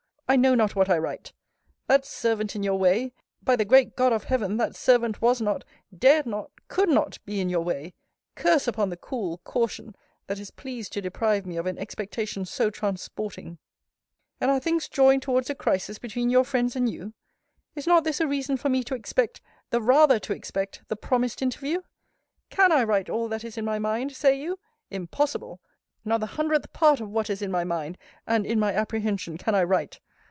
I know not what I write! That servant in your way!* By the great God of Heaven, that servant was not, dared not, could not, be in your way! Curse upon the cool caution that is pleased to deprive me of an expectation so transporting! * See Letter XIX. And are things drawing towards a crisis between your friends and you? Is not this a reason for me to expect, the rather to expect, the promised interview? CAN I write all that is in my mind, say you? Impossible! Not the hundredth part of what is in my mind, and in my apprehension, can I write!